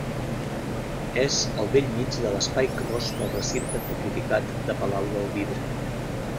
És al bell mig de l'espai clos pel recinte fortificat de Palau del Vidre.